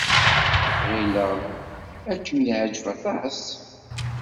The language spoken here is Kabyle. Ɣileɣ ad kem-yeɛjeb aṭas.